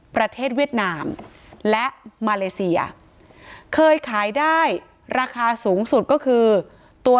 เวียดนามและมาเลเซียเคยขายได้ราคาสูงสุดก็คือตัว